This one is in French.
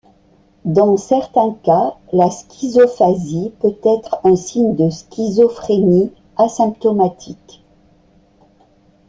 Dans certains cas, la schizophasie peut être un signe de schizophrénie asymptomatique.